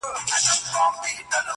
ژوند یې ښه وو کاروبار یې برابر وو؛